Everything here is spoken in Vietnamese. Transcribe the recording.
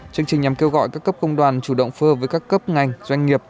chương trình nhằm kêu gọi các cấp công đoàn chủ động phơ với các cấp ngành doanh nghiệp